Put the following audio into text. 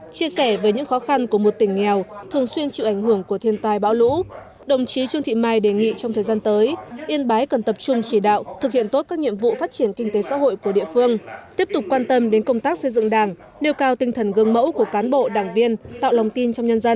chia sẻ về những khó khăn của một tỉnh nghèo thường xuyên chịu ảnh hưởng của thiên tai bão lũ đồng chí trương thị mai đề nghị trong thời gian tới yên bái cần tập trung chỉ đạo thực hiện tốt các nhiệm vụ phát triển kinh tế xã hội của địa phương tiếp tục quan tâm đến công tác xây dựng đảng nêu cao tinh thần gương mẫu của cán bộ đảng viên tạo lòng tin trong nhân dân